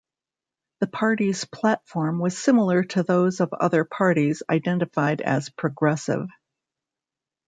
The party's platform was similar to those of other parties identified as progressive.